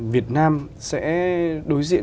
việt nam sẽ đối diện